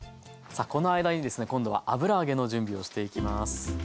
さあこの間にですね今度は油揚げの準備をしていきます。